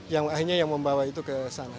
yang akhirnya yang membawa itu ke sana